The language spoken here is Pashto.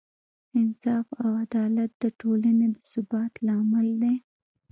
انصاف او عدالت د ټولنې د ثبات لامل دی.